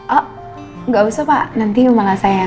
oh nggak usah pak nanti malah saya